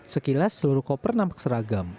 sekilas seluruh koper nampak seragam